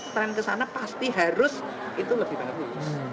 tren ke sana pasti harus itu lebih bagus